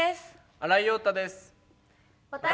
新井庸太です。